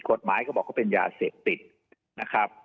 กฎหมายก็บอกว่าเป็นยาเสพติดนะครับ